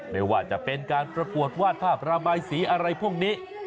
ไม่ว่าจะเป็นการประกวดวาดภาพระบายสีอะไรพวกนี้